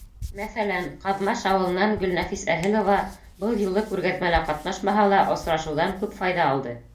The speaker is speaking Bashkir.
Мәҫәлән, Ҡаҙмаш ауылынан Гөлнәфис Әһелова, был юлы күргәҙмәлә ҡатнашмаһа ла, осрашыуҙан күп файҙа алды.